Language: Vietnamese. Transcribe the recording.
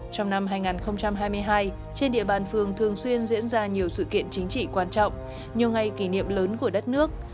trong năm hai nghìn hai mươi hai trên địa bàn phường thường xuyên diễn ra nhiều sự kiện chính trị quan trọng nhiều ngày kỷ niệm lớn của đất nước